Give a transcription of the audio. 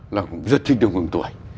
là cũng rất thích được mừng tuổi